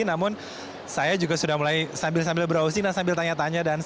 namun saya juga sudah mulai sambil browsing dan sambil tanya tanya